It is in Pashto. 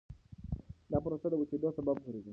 دا پروسه د وچېدو سبب ګرځي.